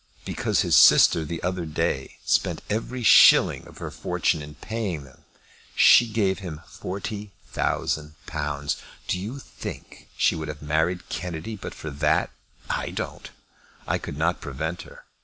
"Because his sister the other day spent every shilling of her fortune in paying them. She gave him £40,000! Do you think she would have married Kennedy but for that? I don't. I could not prevent her.